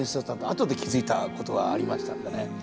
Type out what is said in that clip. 後で気付いたことがありましたんでね。